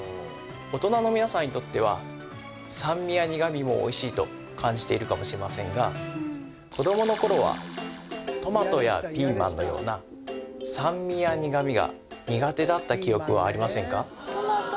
大人のみなさんにとっては酸味や苦味もおいしいと感じているかもしれませんが子どもの頃はトマトやピーマンのような酸味や苦味が苦手だった記憶はありませんか？